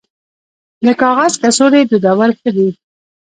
د کاغذ کڅوړې دودول ښه دي